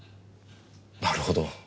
なるほど。